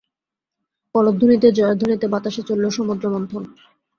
কলধ্বনিতে জয়ধ্বনিতে বাতাসে চলল সমুদ্রমন্থন।